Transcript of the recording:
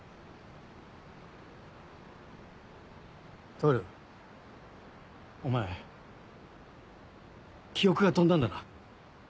透お前記憶が飛んだんだな？